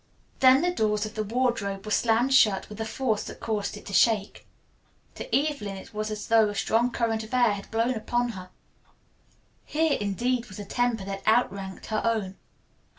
Then the doors of the wardrobe were slammed shut with a force that caused it to shake. To Evelyn it was as though a strong current of air had blown upon her. Here, indeed was a temper that outranked her own.